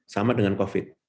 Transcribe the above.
sama dengan covid